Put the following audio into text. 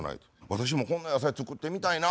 「私もこんな野菜作ってみたいな」